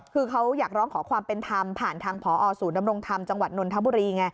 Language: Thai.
คือเขาอยากร้องขอความเป็นธรรมผ่านทางพอศูนย์ดำรงธรรมจังหวัดนนทบุรีไง